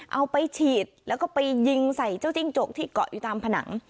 เอาไปฉีดแล้วก็ไปยิงใส่เจ้าจิ้งจกที่เกาะอยู่ตามผนัง